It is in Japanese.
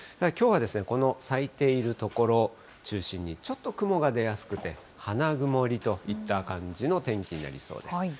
きょうはこの咲いている所を中心に、ちょっと雲が出やすくて、花曇りといった感じの天気になりそうです。